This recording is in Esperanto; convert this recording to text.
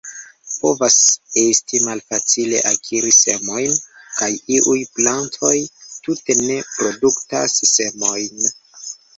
Povas esti malfacile akiri semojn, kaj iuj plantoj tute ne produktas semojn.